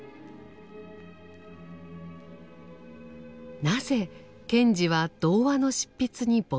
なぜ賢治は童話の執筆に没頭したのか。